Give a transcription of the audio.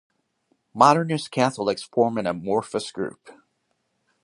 Modernist Catholics form an amorphous group.